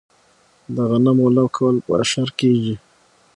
د غنمو لو کول په اشر کیږي.